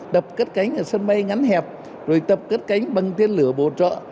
tập cất cánh ở sân bay ngắn hẹp rồi tập cất cánh bằng tiên lửa bộ trợ